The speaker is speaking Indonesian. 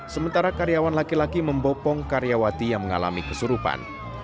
sementara karyawan laki laki membopong karyawati yang mengalami kesurupan